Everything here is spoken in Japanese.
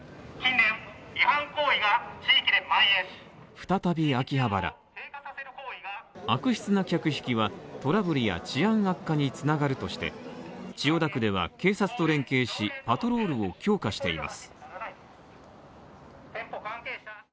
再び秋葉原悪質な客引きはトラブルや治安悪化に繋がるとして、千代田区では警察と連携し、パトロールを強化しています。